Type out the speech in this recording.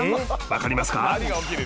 分かりますか？